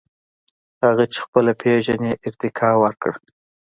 • هغه چې خپله پېژنې، ارتقاء ورکړه.